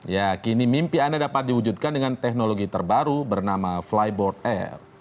ya kini mimpi anda dapat diwujudkan dengan teknologi terbaru bernama flyboard air